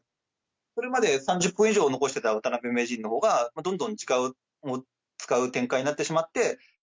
これまで３０分以上残していた渡辺名人のほうが、どんどん時間を使う展開になってしまって。